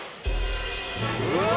うわ！